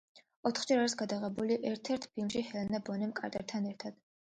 ოთხჯერ არის გადაღებული ერთ ფილმში ჰელენა ბონემ კარტერთან ერთად.